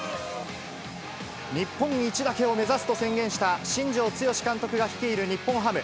日本一だけを目指すと宣言した新庄剛志監督が率いる日本ハム。